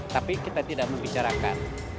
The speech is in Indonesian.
tapi kita tidak membicarakan